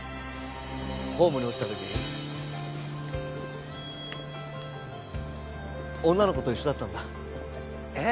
ホームに落ちた時女の子と一緒だったんだえッ？